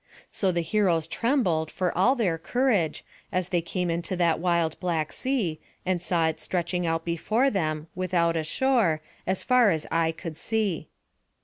So the heroes trembled, for all their courage, as they came into that wild Black Sea, and saw it stretching out before them, without a shore, as far as eye could see.